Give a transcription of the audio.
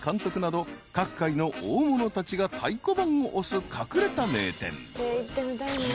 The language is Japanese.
［各界の大物たちが太鼓判を押す隠れた名店］